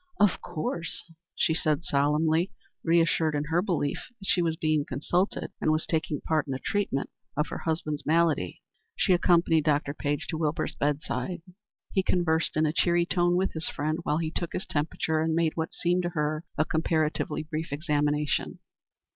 "Of course," she said solemnly, reassured in her belief that she was being consulted and was taking part in the treatment of her husband's malady. She accompanied Dr. Page to Wilbur's bed side. He conversed in a cheery tone with his friend while he took his temperature and made what seemed to her a comparatively brief examination.